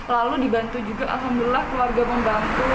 lalu dibantu juga alhamdulillah keluarga membantu